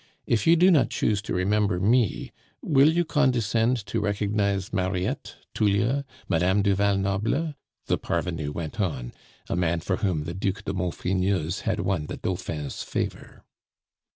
If you do not choose to remember me, will you condescend to recognize Mariette, Tullia, Madame du Val Noble?" the parvenu went on a man for whom the Duc de Maufrigneuse had won the Dauphin's favor.